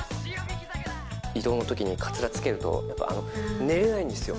移動のときにかつらつけると、やっぱり、寝れないんですよ。